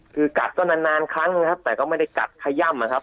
คือกัดก็นานนานครั้งนะครับแต่ก็ไม่ได้กัดขย่ำนะครับ